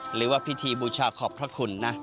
หรือว่าพิธีบูชาขอบพระคุณนะ